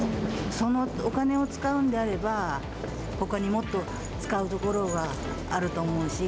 そのお金を使うんであれば、ほかにもっと使うところがあると思うし。